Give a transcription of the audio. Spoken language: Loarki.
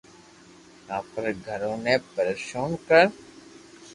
آپري گرو ني پرݾن ڪر